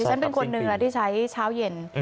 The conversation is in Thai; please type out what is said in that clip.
ฉันเป็นคนหนึ่งที่ใช้เช้าเย็น